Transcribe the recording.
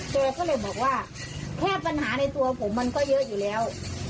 แกก็เลยบอกว่าแค่ปัญหาในตัวผมมันก็เยอะอยู่แล้ว